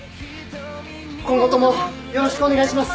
今後ともよろしくお願いします。